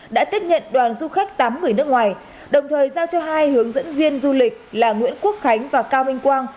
đã tiếp nhận đoàn du khách tám người nước ngoài đồng thời giao cho hai hướng dẫn viên du lịch là nguyễn quốc khánh và cao minh quang